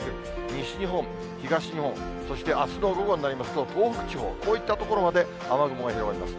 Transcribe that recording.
西日本、東日本、そしてあすの午後になりますと、東北地方、こういった所まで雨雲が広がります。